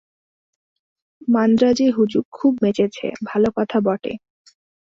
মান্দ্রাজে হুজুক খুব মেচেছে, ভাল কথা বটে।